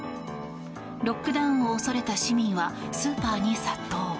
ロックダウンを恐れた市民はスーパーに殺到。